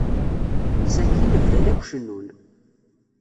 Sakkin bdan akk cennun.